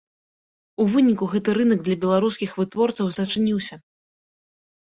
У выніку гэты рынак для беларускіх вытворцаў зачыніўся.